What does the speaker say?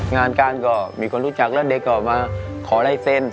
งานการก็มีคนรู้จักแล้วเด็กก็มาขอลายเซ็น